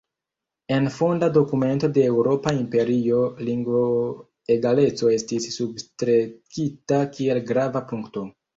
En fonda dokumento de Eŭropa Imperio lingvoegaleco estis substrekita kiel grava punkto.